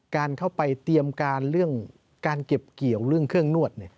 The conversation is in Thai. การเข้าไปเตรียมการเรื่องการเก็บเกี่ยวเรื่องเครื่องนวด